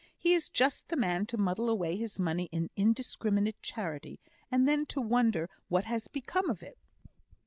He is just the man to muddle away his money in indiscriminate charity, and then to wonder what has become of it."